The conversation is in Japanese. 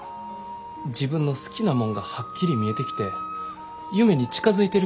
自分の好きなもんがはっきり見えてきて夢に近づいてる気ぃするんや。